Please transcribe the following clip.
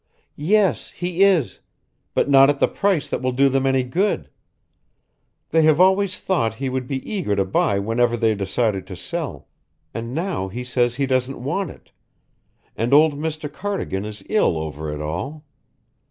"Yes, he is but not at a price that will do them any good. They have always thought he would be eager to buy whenever they decided to sell, and now he says he doesn't want it, and old Mr. Cardigan is ill over it all.